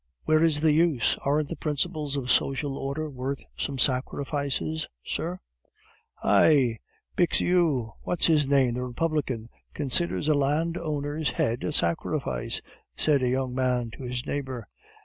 "Where is the use? Aren't the principles of social order worth some sacrifices, sir?" "Hi! Bixiou! What's his name, the Republican, considers a landowner's head a sacrifice!" said a young man to his neighbor.